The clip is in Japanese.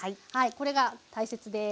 これが大切です。